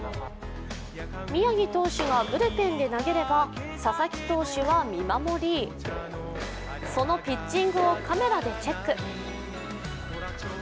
宮城投手がブルペンで投げれば、佐々木投手は見守りそのピッチングをカメラでチェック。